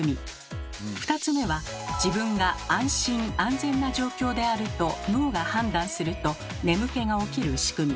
２つ目は自分が安心・安全な状況であると脳が判断すると眠気が起きるしくみ。